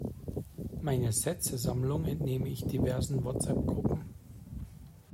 Meine Sätzesammlung entnehme ich diversen Whatsappgruppen.